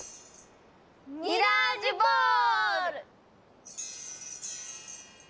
ミラージュボール！